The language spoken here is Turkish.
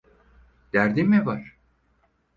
Derdin mi var?